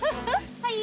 はい。